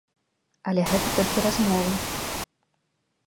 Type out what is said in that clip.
Але гэта толькі размовы.